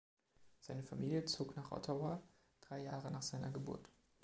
Seine Familie zog nach Ottawa drei Jahre nach seiner Geburt.